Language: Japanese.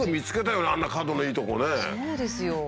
そうですよ